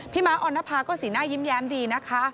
ม้าออนภาก็สีหน้ายิ้มแย้มดีนะคะ